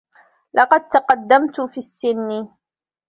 لقد تقدّمت في السّنّ.